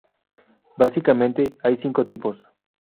Básicamente, hay cinco tipos;